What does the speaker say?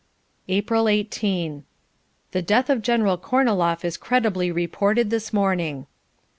April 18. The death of General Korniloff is credibly reported this morning.